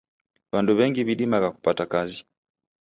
W'andu w'engi w'idimagha kupata kazi.